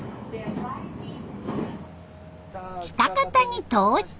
喜多方に到着。